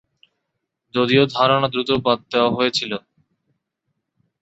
যদিও ধারণা দ্রুত বাদ দেওয়া হয়ে ছিল।